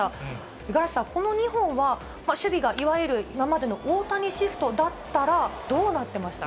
五十嵐さん、この２本は、守備が、いわゆる今までの大谷シフトだったらどうなってましたか？